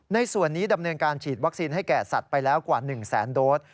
ในส่วนนี้ดำเนินการฉีดวัคซีนให้แก่สัตว์ไปแล้วกว่า๑แสนโดส